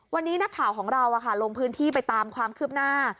วันนี้นักข่าวของเราลงพื้นที่ไปตามความคืบหน้า